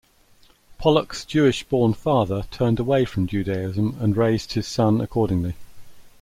Pollock's Jewish-born father turned away from Judaism, and raised his son accordingly.